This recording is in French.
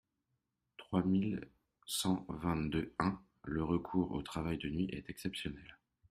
trois mille cent vingt-deux-un :« Le recours au travail de nuit est exceptionnel.